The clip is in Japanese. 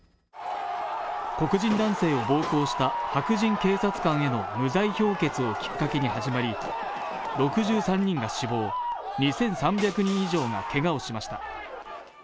黒人男性を暴行した白人警察官への無罪評決をきっかけに始まり６３人が死亡２３００人以上がけがをしました。